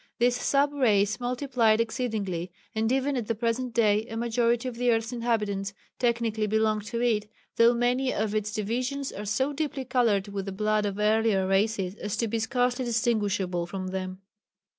This sub race multiplied exceedingly, and even at the present day a majority of the earth's inhabitants technically belong to it, though many of its divisions are so deeply coloured with the blood of earlier races as to be scarcely distinguishable from them.